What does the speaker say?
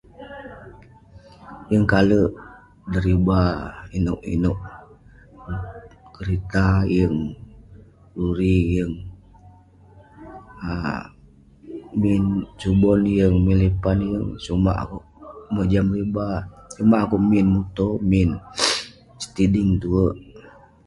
yeng kalek deriba inouk inouk, kerita, yeng..luri, yeng..[um] min subon, yeng..min lipan, yeng.. sumak akouk mojam deriba ,sumak akouk min muto, min setiding tuwerk..